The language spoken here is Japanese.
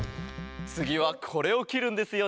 つぎはこれをきるんですよね？